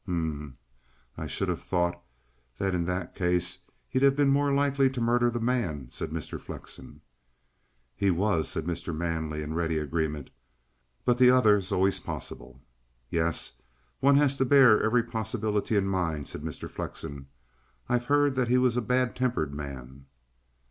"M'm, I should have thought that in that case he'd have been more likely to murder the man," said Mr. Flexen. "He was," said Mr. Manley in ready agreement. "But the other's always possible." "Yes; one has to bear every possibility in mind," said Mr. Flexen. "I've heard that he was a bad tempered man."